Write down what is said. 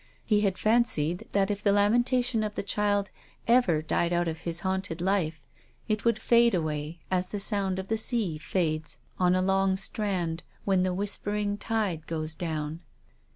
He had fancied that if the lamenta tion of the child ever died out of his haunted life it would fade away as the sound of the sea fades THE LIVING CHILD. 25 1 on a long strand when the whispering tide goes down.